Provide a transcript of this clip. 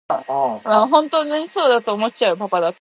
人老心無老